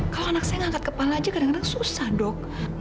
kalau anak saya ngangkat kepala aja kadang kadang susah dok